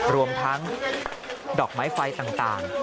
รวมทั้งดอกไม้ไฟต่าง